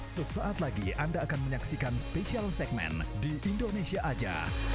sesaat lagi anda akan menyaksikan spesial segmen di indonesia aja